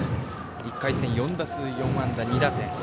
１回戦４打数４安打４打点。